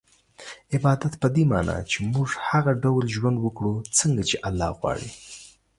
عبادت په دې مانا چي موږ هغه ډول ژوند وکړو څنګه چي الله غواړي